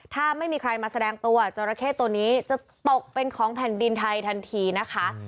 ถ้าไม่มีใครมาแสดงตัวจราเข้ตัวนี้จะตกเป็นของแผ่นดินไทยทันทีนะคะ